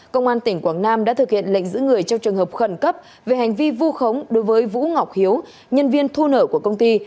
công an tỉnh quảng nam đã thực hiện lệnh giữ người trong trường hợp khẩn cấp về hành vi vu khống đối với vũ ngọc hiếu nhân viên thu nợ của công ty